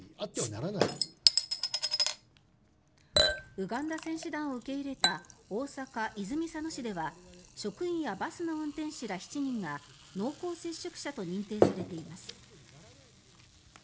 ウガンダ選手団を受け入れた大阪・泉佐野市では職員やバスの運転手ら７人が濃厚接触者と認定されています。